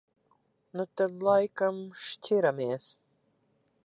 Nu tad laikam šķiramies.